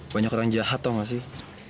banyak orang jahat tau gak sih